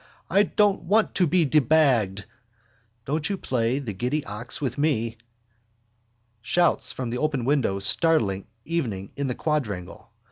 I don't want to be debagged! Don't you play the giddy ox with me! Shouts from the open window startling evening in the quadrangle.